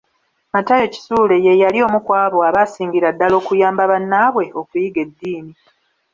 Matayo Kisule ye yali omu ku abo abaasingira ddala okuyamba bannaabwe okuyiga eddiini.